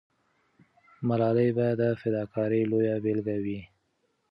ملالۍ به د فداکارۍ لویه بیلګه وي.